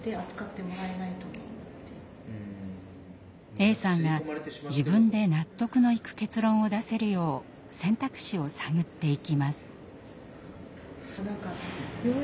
Ａさんが自分で納得のいく結論を出せるよう選択肢を探っていきます。